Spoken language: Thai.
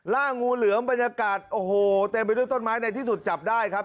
งูเหลือมบรรยากาศโอ้โหเต็มไปด้วยต้นไม้ในที่สุดจับได้ครับ